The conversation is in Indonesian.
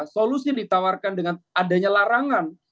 solusi yang ditawarkan dengan adanya larangan